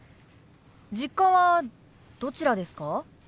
実家はどちらですか？